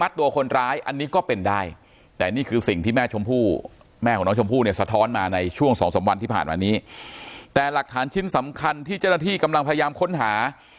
สองสามวันที่ผ่านมานี้แต่หลักฐานชิ้นสำคัญที่เจ้าหน้าที่กำลังพยายามค้นหา